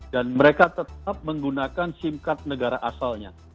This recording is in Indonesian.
dan mereka tetap menggunakan sim card negara asalnya